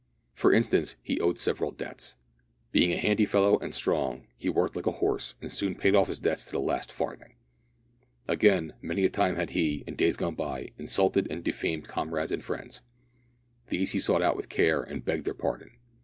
For instance, he owed several debts. Being a handy fellow and strong, he worked like a horse, and soon paid off his debts to the last farthing. Again, many a time had he, in days gone by, insulted and defamed comrades and friends. These he sought out with care and begged their pardon.